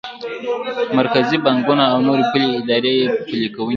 مرکزي بانکونه او نورې پولي ادارې یې پلي کوونکی دي.